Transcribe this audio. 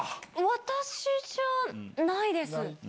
私じゃないです。